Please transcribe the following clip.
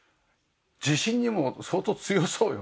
地震にも相当強そうよね。